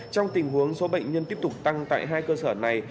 trong tình huống số bệnh nhân tiếp tục tăng tại hai cơ sở này